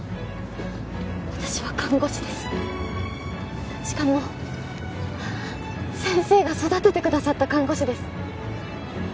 私は看護師ですしかも先生が育ててくださった看護師です